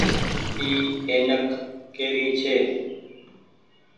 اي اينڪ ڪري ڇي۔